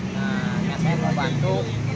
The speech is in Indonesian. nah ini saya mau bantu